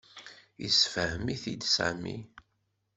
Yessefhem-it-id Sami.